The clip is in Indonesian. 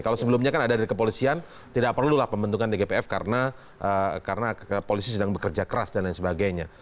kalau sebelumnya kan ada dari kepolisian tidak perlulah pembentukan tgpf karena polisi sedang bekerja keras dan lain sebagainya